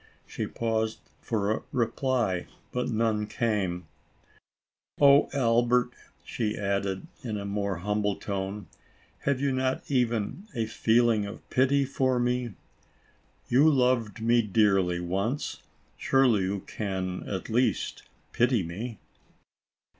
She paused for a reply, but none came. "Oh, Albert," she added, in a more humble tone, "have you not even a feel ing of pity for me ? You loved me dearly once. Surely, you can, at least, pity me."